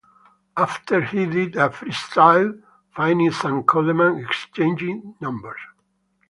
After he did a freestyle, Finesse and Coleman exchanged numbers.